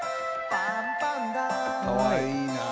かわいいなあ。